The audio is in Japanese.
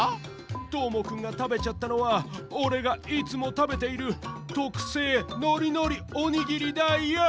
どーもくんがたべちゃったのはおれがいつもたべているとくせいノリノリおにぎりだヨー！